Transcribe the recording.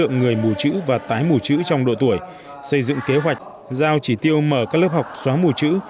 để giảm số người mù chữ và tái mù chữ trong độ tuổi xây dựng kế hoạch giao chỉ tiêu mở các lớp học xóa mù chữ